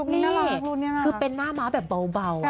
นี่คือเป็นหน้าม้าแบบเบา